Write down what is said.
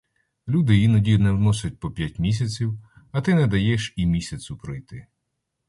Люди іноді не вносять по п'ять місяців, а ти не даєш і місяцю пройти.